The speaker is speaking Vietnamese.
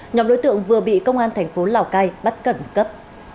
nhóm đối tượng vừa bị công an thành phố lào cai bắt khẩn cấp